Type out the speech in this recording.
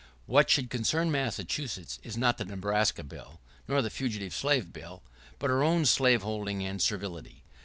[¶38] What should concern Massachusetts is not the Nebraska Bill, nor the Fugitive Slave Bill, but her own slaveholding and servility.